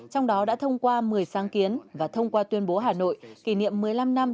trong đó đã thông qua một mươi sáng kiến và thông qua tuyên bố hà nội kỷ niệm một mươi năm năm